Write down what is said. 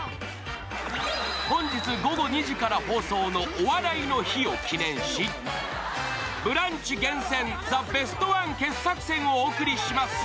本日、午後２時から放送の「お笑いの日」を記念し、「ブランチ」厳選「ザ・ベストワン」傑作選をお届けします。